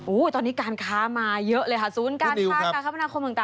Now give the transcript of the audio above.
อู้วตอนนี้การค้ามาเยอะเลยค่ะ